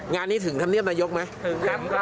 งานนี้ถึงทำเนียมระยกไหม